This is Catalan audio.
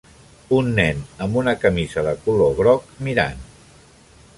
Un nen amb una camisa de color groga mirant